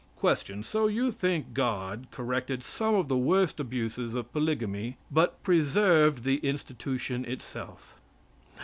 Q. So you think God corrected some of the worst abuses of polygamy, but preserved the institution itself?